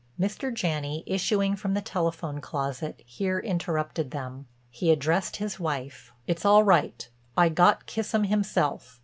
Mr. Janney, issuing from the telephone closet, here interrupted them. He addressed his wife: "It's all right. I got Kissam himself.